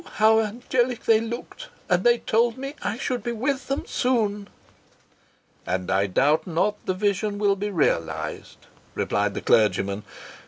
how angelic they looked and they told me I should be with them soon." "And I doubt not the vision will be realised," replied the clergyman.